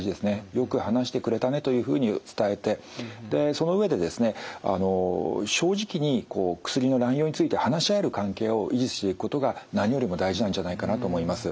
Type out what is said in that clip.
「よく話してくれたね」というふうに伝えてその上でですね正直に薬の乱用について話し合える関係を維持していくことが何よりも大事なんじゃないかなと思います。